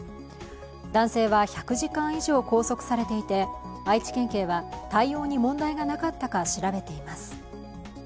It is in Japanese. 男性は１００時間以上拘束されていて愛知県警は対応に問題がなかったか調べています。